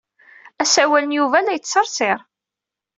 Asawal n Yuba la yettsersir.